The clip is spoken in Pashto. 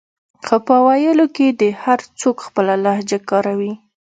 خو په ویلو کې دې هر څوک خپله لهجه کاروي